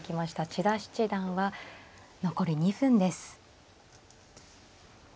千田七段は残り２分です。